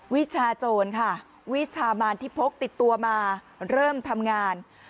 วิชาโจรค่ะวิชามานที่พกติดตัวมาเริ่มทำงาน